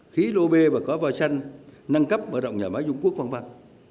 khi lô bê và có voi xanh nâng cấp mở rộng nhà máy dung quốc văn văn